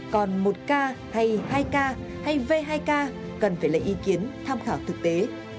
còn một k hay hai k hay v hai k cần phải lấy ý kiến tham khảo thực tế